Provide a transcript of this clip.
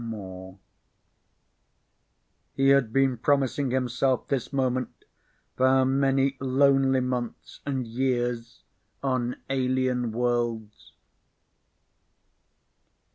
MOORE_ He had been promising himself this moment for how many lonely months and years on alien worlds?